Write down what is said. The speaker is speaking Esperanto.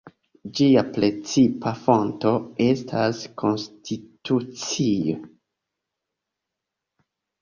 Ĝia precipa fonto estas konstitucio.